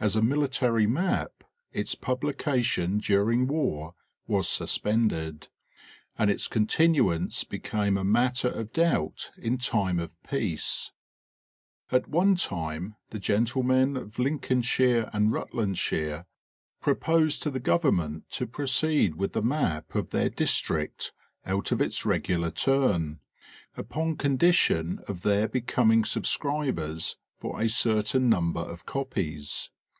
As a military map its publication during war was suspended, and its continuance be came a matter of doubt in time of peace. At one time the gentlemen of Lincolnshire and Rutlandshire proposed to the government to proceed with the map of their district out of its regular turn, upon condition of their becoming subscribers for a certain number of copies.